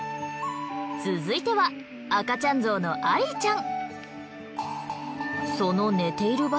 続いては赤ちゃんゾウのアリーちゃん。